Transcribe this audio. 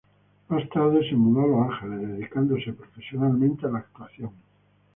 Más tarde se mudó a Los Angeles, dedicándose profesionalmente a la actuación.